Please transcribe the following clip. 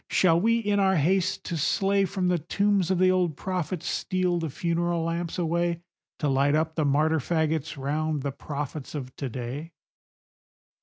Shall we, in our haste to slay, From the tombs of the old prophets steal the funeral lamps away To light up the martyr fagots round the prophets of to day?